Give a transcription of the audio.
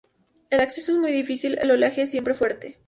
El acceso es muy difícil, el oleaje es siempre fuerte.